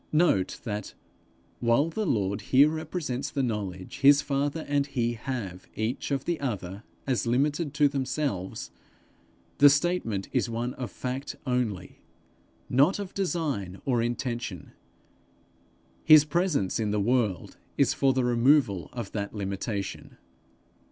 Note that, while the Lord here represents the knowledge his father and he have each of the other as limited to themselves, the statement is one of fact only, not of design or intention: his presence in the world is for the removal of that limitation.